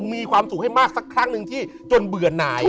มีความสุขให้มากสักครั้งหนึ่งที่จนเบื่อหน่าย